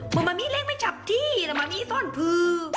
ว่ามัมมี่เล่นไม่ชับที่แต่มัมมี่สอนพื้น